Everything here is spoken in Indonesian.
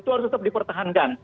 harus tetap dipertahankan